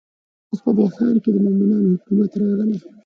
اوس په دې ښار کې د مؤمنانو حکومت راغلی.